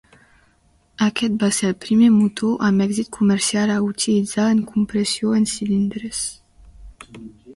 Aquest va ser el primer motor amb èxit comercial a utilitzar en compressió en cilindres.